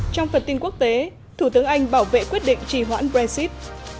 trong phần tin quốc tế thủ tướng anh bảo vệ quyết định trì hoãn brexit